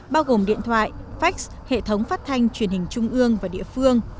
bao gồm điện thoại fax hệ thống phát thanh truyền hình trung ương và địa phương